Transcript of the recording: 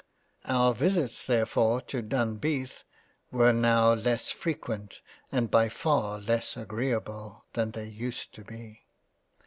Our visits there fore to Dunbeath, were now less frequent and by far less agreable than they used to be.